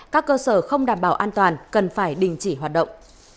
các cơ sở không đảm bảo an toàn cần phải đình chỉ hoạt động